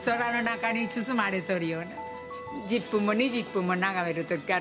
１０分も２０分も眺める時あるわ。